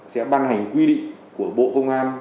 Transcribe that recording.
sẽ ban hành quy định của bộ công an